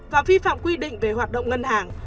và vi phạm quy định về hoạt động ngân hàng